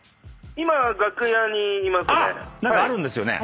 今楽屋にいますね。